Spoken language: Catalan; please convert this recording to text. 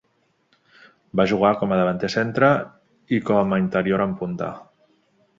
Va jugar com a davanter centre i com interior en punta.